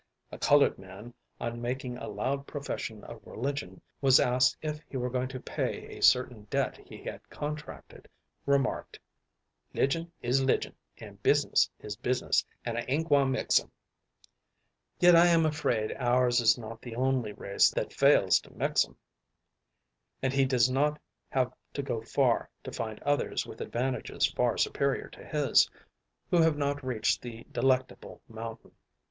A colored man, on making a loud profession of religion, was asked if he were going to pay a certain debt he had contracted, remarked, "'Ligun is 'ligun, an' bisnes' is bisnes', an' I aint gwy mix um," yet I am afraid ours is not the only race that fails to "mix um," and he does not have to go far to find others with advantages far superior to his, who have not reached the delectable mountain.